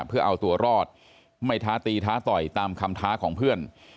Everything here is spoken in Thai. เพื่อเอาตัวรอดไม่ท้าตีท้าต่อยตามคำท้าของเพื่อน